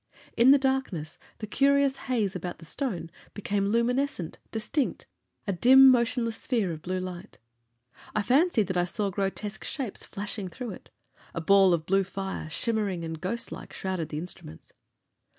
In the darkness, the curious haze about the stone became luminescent, distinct, a dim, motionless sphere of blue light. I fancied that I saw grotesque shapes flashing through it. A ball of blue fire, shimmering and ghost like, shrouded the instruments.